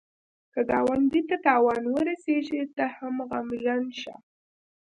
که ګاونډي ته تاوان ورسېږي، ته هم غمژن شه